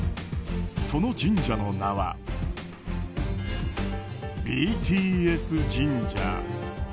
その神社の名はＢＴＳ神社。